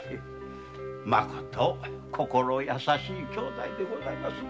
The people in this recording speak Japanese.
まこと心優しい姉弟でございますな。